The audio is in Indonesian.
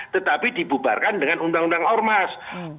tetapi dibubarkan dengan undang undang ormas